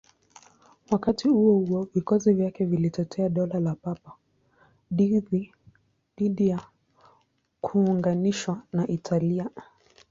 Wakati huo huo, vikosi vyake vilitetea Dola la Papa dhidi ya kuunganishwa na Italia.